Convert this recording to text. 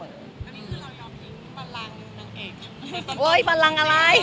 แล้วนี่คือเรายอมคิดมีบันรังหนึ่งนางเอก